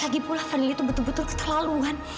lagipula fadhil itu betul betul ketelaluan